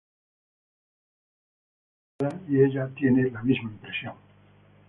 Pregunta a su cuñada y ella tiene la misma impresión.